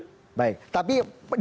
tapi dipastikan pak oso akan berpikir